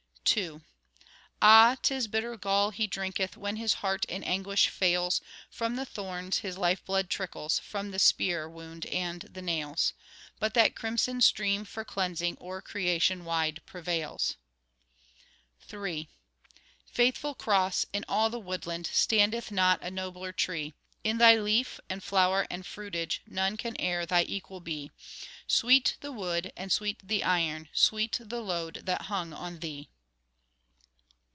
II Ah! 'tis bitter gall He drinketh, When His heart in anguish fails;— From the thorns His life blood trickles, From the spear wound and the nails; But that crimson stream for cleansing, O'er creation wide prevails. III Faithful Cross! in all the woodland, Standeth not a nobler tree; In thy leaf, and flower, and fruitage, None can e'er thy equal be; Sweet the wood, and sweet the iron, Sweet the load that hung on thee.